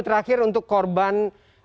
terakhir untuk korban